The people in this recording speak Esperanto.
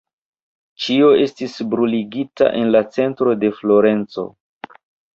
Ĉio estis bruligita en la centro de Florenco.